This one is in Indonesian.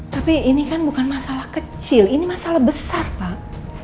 tapi ini kan bukan masalah kecil ini masalah besar pak